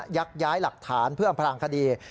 ยักย้ายหลักฐานเพื่ออำพลางคดี